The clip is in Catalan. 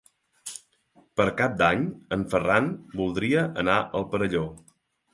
Per Cap d'Any en Ferran voldria anar al Perelló.